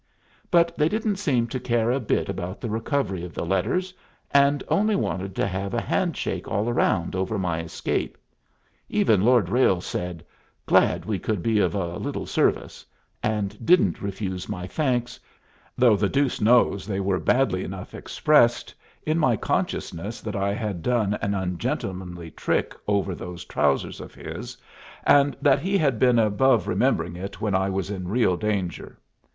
'" But they didn't seem to care a bit about the recovery of the letters, and only wanted to have a hand shake all round over my escape. Even Lord Ralles said, "Glad we could be of a little service," and didn't refuse my thanks, though the deuce knows they were badly enough expressed, in my consciousness that I had done an ungentlemanly trick over those trousers of his, and that he had been above remembering it when I was in real danger.